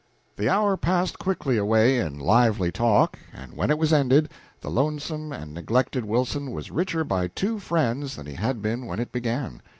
The hour passed quickly away in lively talk, and when it was ended the lonesome and neglected Wilson was richer by two friends than he had been when it began.